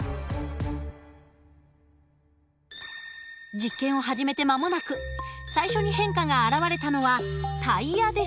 実験を始めて間もなく最初に変化が現れたのはタイヤでした。